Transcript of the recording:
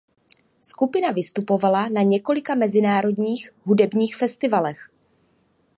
Skupina vystupovala na několika mezinárodních hudebních festivalech.